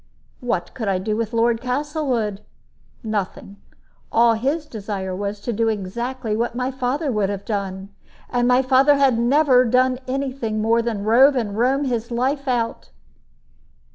What could I do with Lord Castlewood? Nothing; all his desire was to do exactly what my father would have done: and my father had never done any thing more than rove and roam his life out.